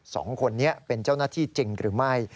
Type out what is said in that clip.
สองคนนี้เป็นเจ้าหน้าที่จริงหรือไม่